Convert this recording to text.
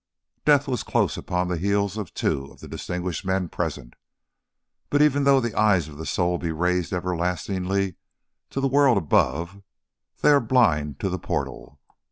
Death was close upon the heels of two of the distinguished men present; but even though the eyes of the soul be raised everlastingly to the world above, they are blind to the portal.